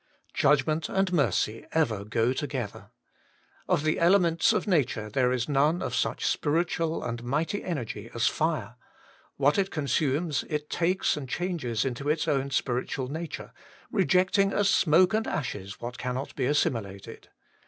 Judgment and Mercy ever go together. Of the elements of nature there is none of such spiritual and mighty energy as Fire : what it consumes it takes and changes into its own spiritual nature, rejecting as smoke and ashes what cannot be assimilated.